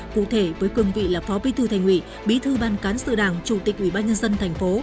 cụ thể với cương vị là phó bí thư thành ủy bí thư ban cán sự đảng chủ tịch ủy ban nhân dân thành phố